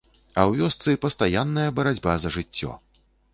А ў вёсцы пастаянная барацьба за жыццё.